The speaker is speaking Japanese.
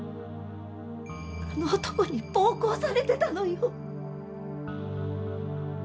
あの男に暴行されてたのよ。